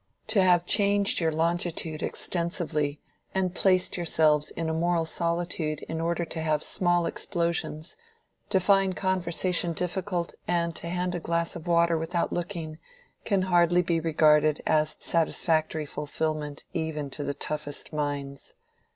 To have changed your longitude extensively and placed yourselves in a moral solitude in order to have small explosions, to find conversation difficult and to hand a glass of water without looking, can hardly be regarded as satisfactory fulfilment even to the toughest minds.